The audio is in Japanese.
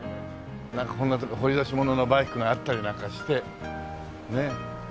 なんかこんなとこ掘り出し物のバイクがあったりなんかしてねえ。